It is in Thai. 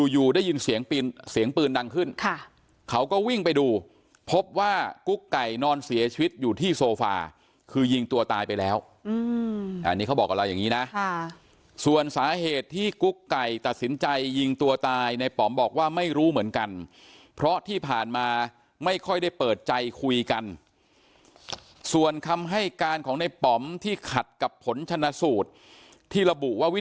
อยู่ได้ยินเสียงปืนดังขึ้นเขาก็วิ่งไปดูพบว่ากุ๊กไก่นอนเสียชีวิตอยู่ที่โซฟาคือยิงตัวตายไปแล้วอันนี้เขาบอกกับเราอย่างนี้นะส่วนสาเหตุที่กุ๊กไก่ตัดสินใจยิงตัวตายในป๋อมบอกว่าไม่รู้เหมือนกันเพราะที่ผ่านมาไม่ค่อยได้เปิดใจคุยกันส่วนคำให้การของในป๋อมที่ขัดกับผลชนะสูตรที่ระบุว่าวิ